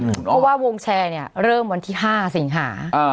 เพราะว่าวงแชร์เนี่ยเริ่มวันที่๕สิงหา